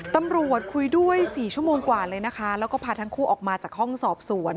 ตำรวจคุยด้วย๔ชั่วโมงกว่าเลยนะคะแล้วก็พาทั้งคู่ออกมาจากห้องสอบสวน